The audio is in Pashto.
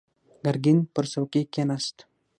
ګرګين پر څوکۍ کېناست.